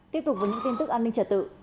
tiếp tục với những tin tức an ninh trật tự